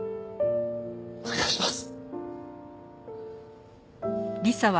お願いします。